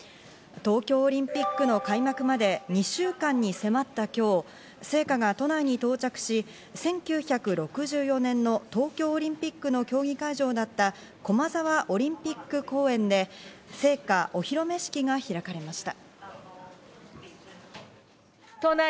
東京オリンピックの開幕まで２週間に迫った今日、聖火が都内に到着し、１９６４年の東京オリンピックの競技会場だった駒沢オリンピック公園で聖火お披露目式が開かれました。